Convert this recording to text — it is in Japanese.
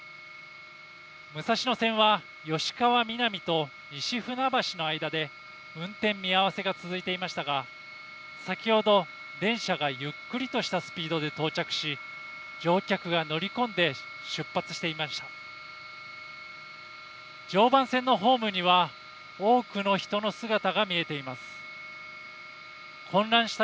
武蔵野線は吉川美南と西船橋の間で運転見合わせが続いていましたが、先ほど電車がゆっくりとしたスピードで到着し、乗客が乗り込んで出発していました。